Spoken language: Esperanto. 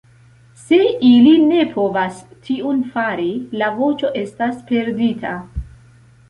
Se ili ne povas tiun fari, la voĉo estas perdita.